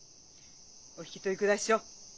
お引き取りくだっしょ。